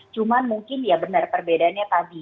cuma mungkin ya benar perbedaannya tadi